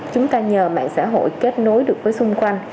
chúng ta nhờ mạng xã hội kết nối được với xung quanh